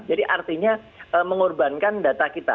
jadi artinya mengorbankan data kita